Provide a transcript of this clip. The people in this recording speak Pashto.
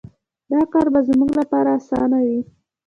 دا کار به زما لپاره اسانه وي